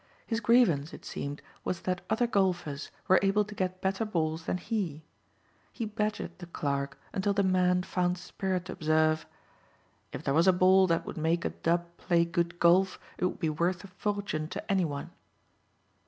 His grievance, it seemed, was that other golfers were able to get better balls than he. He badgered the clerk until the man found spirit to observe: "If there was a ball that would make a dub play good golf it would be worth a fortune to any one."